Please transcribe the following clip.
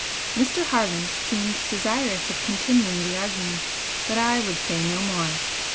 Mr. Harland seemed desirous of continuing the argument, but I would say no more.